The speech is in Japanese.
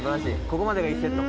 ここまでが１セット。